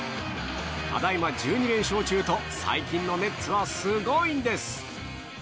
ただいま１２連勝中と最近のネッツはすごいんです。